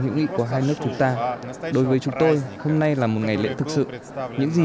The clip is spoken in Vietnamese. hữu nghị của hai nước chúng ta đối với chúng tôi hôm nay là một ngày lễ thực sự những gì